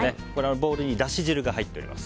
ボウルにだし汁が入っています。